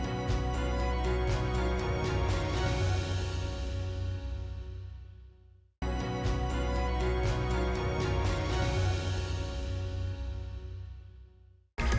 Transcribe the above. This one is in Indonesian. saya tidak perlu lagi untuk mencari perusahaan